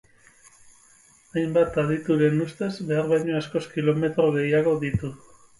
Hainbat adituren ustez, behar baino askoz kilometro gehiago ditu.